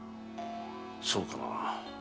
そうかな？